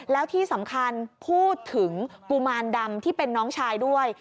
แล้วที่สำคัญพูดถึงกุมารดำที่เป็นน้องชายด้วย